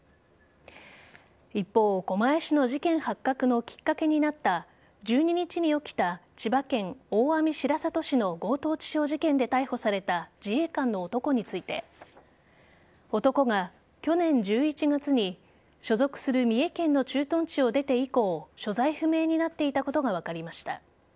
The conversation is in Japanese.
一方、狛江市の事件発覚のきっかけになった１２日に起きた千葉県大網白里市の強盗致傷事件で逮捕された自衛官の男について男が去年１１月に所属する三重県の駐屯地を出て以降所在不明になっていたことが分かりました。